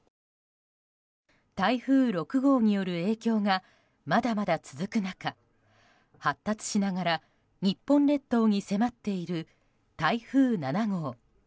台風６号による影響がまだまだ続く中発達しながら日本列島に迫っている台風７号。